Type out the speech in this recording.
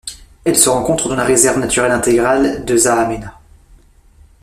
Elle se rencontre dans la réserve naturelle intégrale de Zahamena.